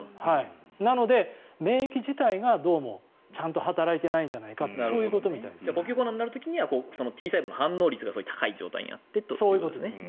なので、免疫自体がどうもちゃんと働いていないんじゃないかと呼吸困難になる時にはＴ細胞の反応率が高い状態になってということですね。